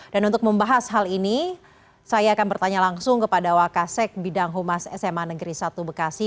dan untuk membahas hal ini saya akan bertanya langsung kepada wakasek bidang humas sma negeri satu bekasi